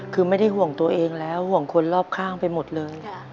คือไม่ได้ห่วงตัวเองแล้วห่วงคนรอบข้างไปหมดเลย